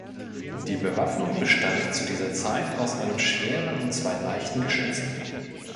Die Bewaffnung bestand zu dieser Zeit aus einem schweren und zwei leichten Geschützen.